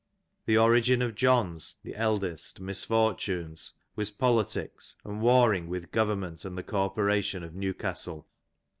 The origin of John's (the eldest) misfortunes was politics, and warring with government and the corporation of New castle.